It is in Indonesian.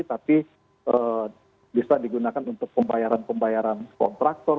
tapi bisa digunakan untuk pembayaran pembayaran kontraktor